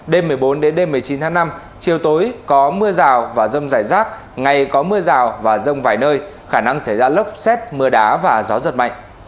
đêm một mươi bốn đến đêm một mươi chín tháng năm chiều tối có mưa rào và rông rải rác ngày có mưa rào và rông vài nơi khả năng xảy ra lốc xét mưa đá và gió giật mạnh